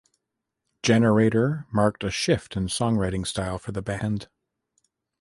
"Generator" marked a shift in songwriting-style for the band.